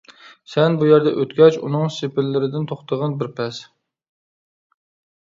سەن، بۇ يەردە، ئۆتكەچ ئۇنىڭ سېپىللىرىدىن توختىغىن بىر پەس!